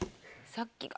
さっきが。